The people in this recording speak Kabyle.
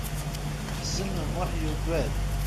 Ḥsen U Muḥ yugad.